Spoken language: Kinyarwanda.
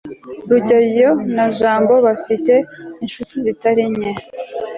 rugeyo na jabo bombi bafite inshuti zitari nke